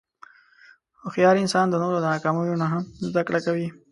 هوښیار انسان د نورو د ناکامیو نه هم زدهکړه کوي.